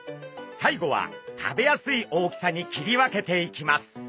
最後は食べやすい大きさに切り分けていきます。